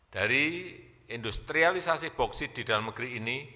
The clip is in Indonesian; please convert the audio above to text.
dari industrialisasi boksit di dalam negeri ini